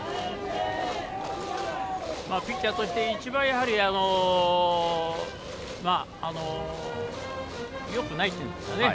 ピッチャーとして一番よくないというんですかね。